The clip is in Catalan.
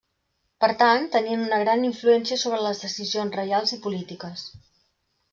Per tant, tenien una gran influència sobre les decisions reials i polítiques.